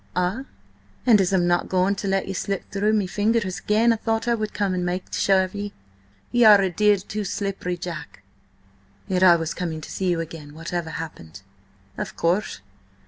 "Ah?" "And as I'm not going to let ye slip through me fingers again, I thought I would come and make sure of ye. Ye are a deal too slippery, Jack." "Yet I was coming to see you again whatever happened." "Of course.